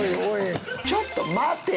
ちょっと待ってぃ！！